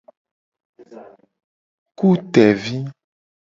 Ku tevi.